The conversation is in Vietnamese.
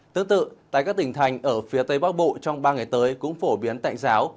tương tự tại các tỉnh thành ở phía tây bắc bộ trong ba ngày tới cũng phổ biến tạnh giáo